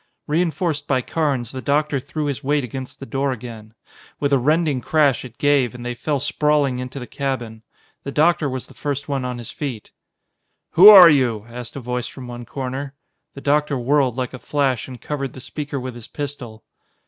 Reinforced by Carnes, the doctor threw his weight against the door again. With a rending crash it gave, and they fell sprawling into the cabin. The doctor was the first one on his feet. "Who are you?" asked a voice from one corner. The doctor whirled like a flash and covered the speaker with his pistol.